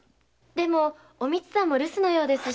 でもおみつさんも留守のようですし。